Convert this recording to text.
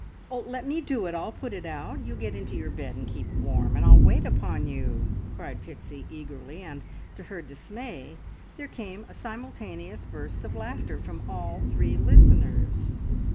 "Let me do it! I'll put it out! You get into your bed and keep warm, and I'll wait upon you!" cried Pixie eagerly; and, to her dismay, there came a simultaneous burst of laughter from all three listeners.